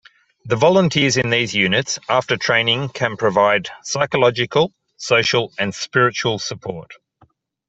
The volunteers in these units, after training can provide psychological, social and spiritual support.